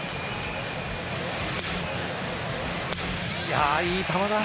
いやいい球だ。